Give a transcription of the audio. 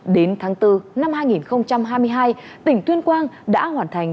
đến tháng bốn năm hai nghìn hai mươi hai tỉnh tuyên quang đã hoàn thành